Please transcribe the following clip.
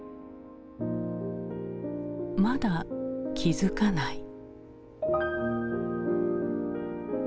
まだ気付かない。